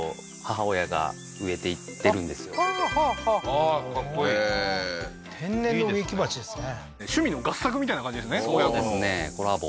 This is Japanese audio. ああーかっこいいへえー天然の植木鉢ですね